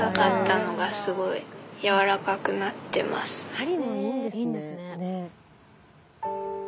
鍼もいいんですね。